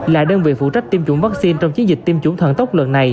là đơn vị phụ trách tiêm chủng vaccine trong chiến dịch tiêm chủng thần tốc lần này